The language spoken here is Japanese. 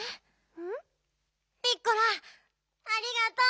ピッコラありがとう！